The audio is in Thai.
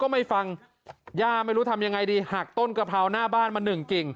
ไม่ฟังย่าไม่รู้ทำยังไงดีหักต้นกะเพราหน้าบ้านมาหนึ่งกิ่ง